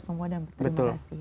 semua dan berterima kasih